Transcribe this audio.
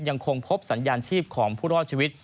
ยังคงพบสัญญาณชีพของผู้รอดชีวิต